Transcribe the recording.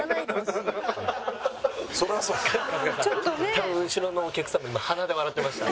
多分後ろのお客さんも今鼻で笑ってました。